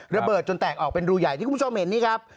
ระเบิดจนแตกออกเป็นรูใหญ่ที่คุณผู้ชมเห็นนี่ครับ